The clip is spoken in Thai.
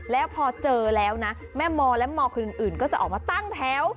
แล้วพอเจอแล้วนะแม่มอและมคนอื่นก็จะออกมาตั้งแถว